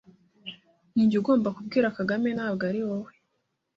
Ninjye ugomba kubwira Kagame, ntabwo ari wowe.